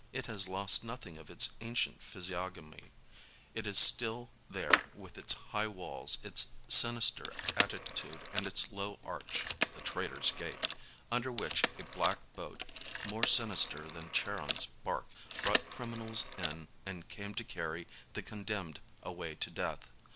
It has lost nothing of its ancient physiognomy ; it is stiU there with its high walls, its sinister altitude and its low arch (the Traitor's Gate) under which a black boat, more sin ister than Charon's bark, brought criminals in and came to carry the condemned away to death.